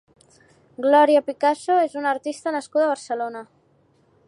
Glòria Picazo és una artista nascuda a Barcelona.